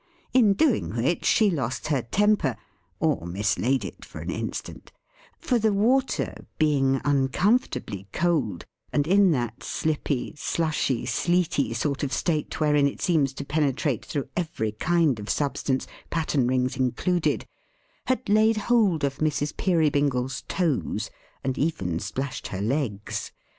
In doing which she lost her temper, or mislaid it for an instant; for the water being uncomfortably cold, and in that slippy, slushy, sleety sort of state wherein it seems to penetrate through every kind of substance, patten rings included had laid hold of Mrs. Peerybingle's toes, and even splashed her legs.